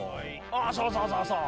あそうそうそうそう。